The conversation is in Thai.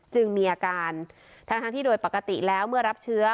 จึงมีอาการทั้งที่โดยปกติแล้วเมื่อรับเชื้อ